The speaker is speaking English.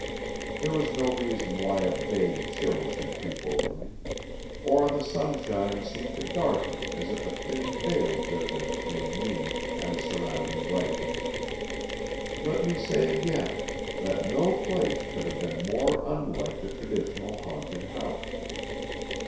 There was no reason why a vague chill should creep over me, or the sunshine seem to darken as if a thin veil drifted between me and the surrounding brightness. Let me say again that no place could have been more unlike the traditional haunted house.